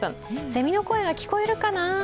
セミの声が聞こえるかな？